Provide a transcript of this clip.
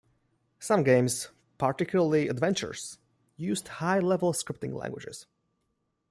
Some games, particularly adventures, used high level scripting languages.